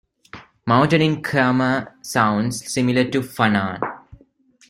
Mountain in Khmer sounds similar to Funan.